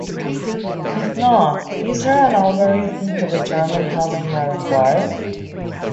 If not, is there an algorithm to determine how many are required?